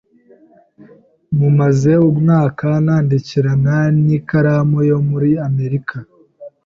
Mumaze umwaka nandikirana n'ikaramu yo muri Amerika.